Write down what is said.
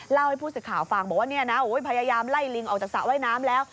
เล่าให้ผู้สื่อข่าวฟังบอกว่าเนี่ยนะพยายามไล่ลิงออกจากสระว่ายน้ำแล้ว